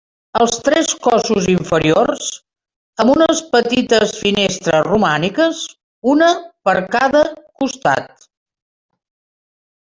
Els tres cossos inferiors amb unes petites finestres romàniques, una per cada costat.